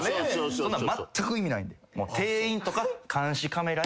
そんなんまったく意味ないんで。